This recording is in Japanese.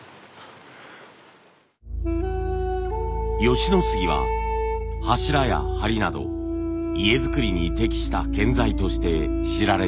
吉野杉は柱や梁など家造りに適した建材として知られています。